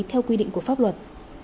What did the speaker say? theo quy định của pháp luật